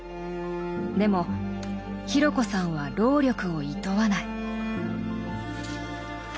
でも紘子さんは労力をいとわない。